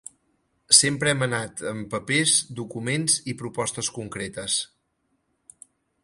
Sempre hem ha anat amb papers, documents i propostes concretes.